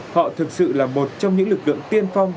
họ thực sự là một trong những lực lượng tiên phong